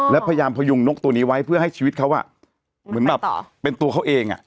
แล้วพยายามพยุงนกตัวนี้ไว้เพื่อให้ชีวิตเขาเหมือนแบบเป็นตัวเขาเอง